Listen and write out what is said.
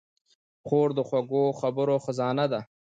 خور د خوږو خبرو خزانه ده.